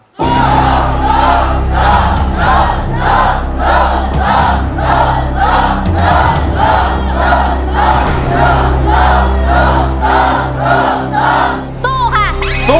สู้สู้สู้สู้